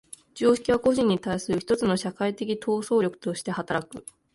常識は個人に対する一つの社会的統制力として働く。